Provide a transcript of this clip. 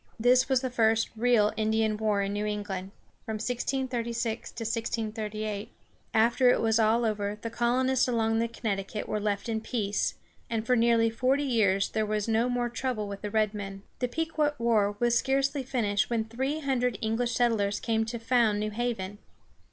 This was the first real Indian war in New England (1636 1638). After it was all over the colonists along the Connecticut were left in peace, and for nearly forty years there was no more trouble with the red men. The Pequot war was scarcely finished when three hundred English settlers came to found New Haven.